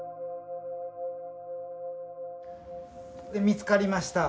見つかりました。